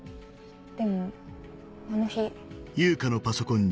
でもあの日。